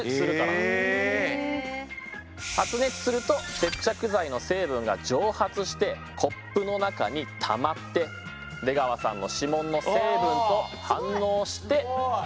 発熱すると接着剤の成分が蒸発してコップの中にたまって出川さんの指紋の成分と反応して固まるんです。